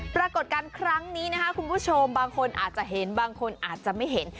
ปรากฏการณ์ครั้งนี้บางคนอาจจะเห็นบางคนอาจจะไม่เห็น